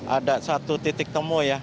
ada satu titik temu ya